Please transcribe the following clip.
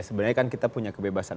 sebenarnya kan kita punya kebebasan